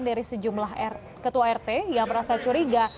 dari sejumlah ketua rt yang merasa curiga